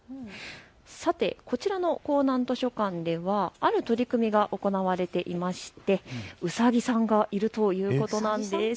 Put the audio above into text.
さてこちらの港南図書館ではある取り組みが行われていまして、うさぎさんがいるということなんです。